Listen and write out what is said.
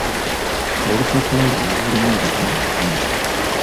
Olupapula luno lulimu ebitundu bibiri